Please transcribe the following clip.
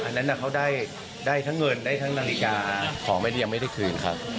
อันนั้นเขาได้ทั้งเงินได้ทั้งนาฬิกาของไม่ได้คืนครับ